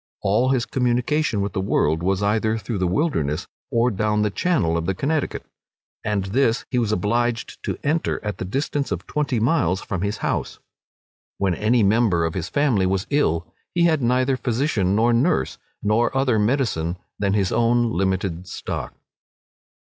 All his communication with the world was either through the wilderness, or down the channel of the Connecticut; and this he was obliged to enter at the distance of twenty miles from his house. When any member of his family was ill, he had neither physician nor nurse, nor other medicine than his own limited stock.